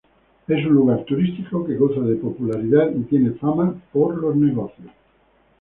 Es un lugar turístico que goza de popularidad, y tiene fama por los negocios.